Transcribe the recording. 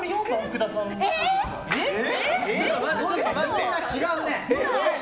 みんな違うね。